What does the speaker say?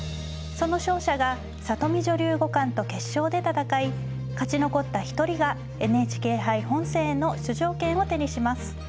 その勝者が里見女流五冠と決勝で戦い勝ち残った一人がＮＨＫ杯本戦への出場権を手にします。